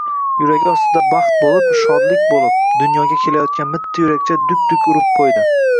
Yuragi ostida baxt boʻlib, shodlik boʻlib, dunyoga kelayotgan mitti yurakcha duk-duk urib qoʻydi